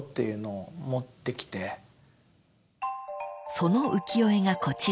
［その浮世絵がこちら］